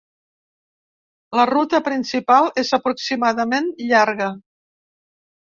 La ruta principal és aproximadament llarga.